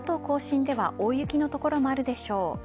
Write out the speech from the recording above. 甲信では大雪の所もあるでしょう。